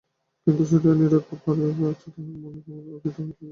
কিন্তু সুচরিতার নিরুত্তর পরাভবে আজ তাহার মন কেমন ব্যথিত হইতে লাগিল।